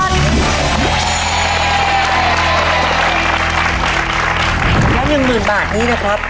แล้วหนึ่งหมื่นบาทนี้นะครับ